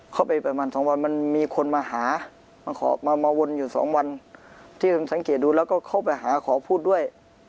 เข้าไปประมาณ๒วันมันมีคนมาหามาวนอยู่สองวันที่ผมสังเกตดูแล้วก็เข้าไปหาขอพูดด้วย